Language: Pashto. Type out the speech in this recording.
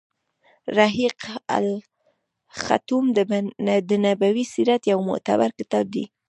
رحيق المختوم د نبوي سیرت يو معتبر کتاب دی.